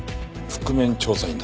覆面調査員？